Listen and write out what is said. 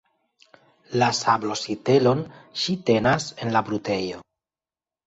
La sablo-sitelon ŝi tenas en la brutejo.